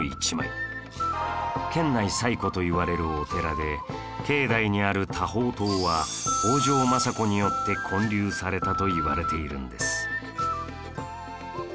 県内最古といわれるお寺で境内にある多宝塔は北条政子によって建立されたといわれているんです